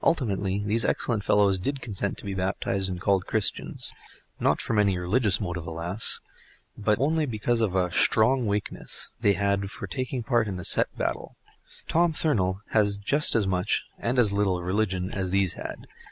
Ultimately, these excellent fellows did consent to be baptised and called Christians—not from any religious motive, alas! but only because of a "shtrong wakeness" they had for taking part in a set battle. Tom Thurnal has just as much, and as little, religion as these had.